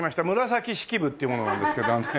紫式部っていう者なんですけどね。